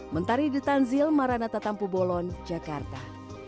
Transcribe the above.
mentari di tanzil maranatha tampu bolon jakarta